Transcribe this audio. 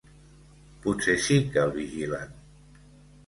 Potser sí que el vigilen.